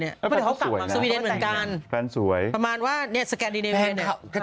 เดี๋ยวเขากลับมาสวีเดนเหมือนกันประมาณว่าสแกนดิเนเว่นเนี่ยแฟนเค้า